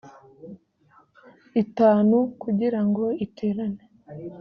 itanu kugira ngo iterane